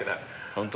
本当？